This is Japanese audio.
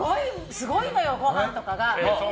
すごいのよ、ごはんとかが。